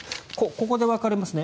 ここで分かれますね。